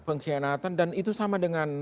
pengkhianatan dan itu sama dengan